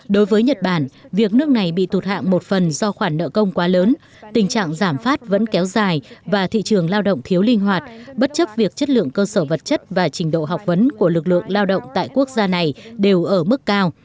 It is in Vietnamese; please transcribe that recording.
đối với nhật bản việc nước này bị tụt hạng một phần do khoản nợ công quá lớn tình trạng giảm phát vẫn kéo dài và thị trường lao động thiếu linh hoạt bất chấp việc chất lượng cơ sở vật chất và trình độ học vấn của lực lượng lao động tại quốc gia này đều ở mức cao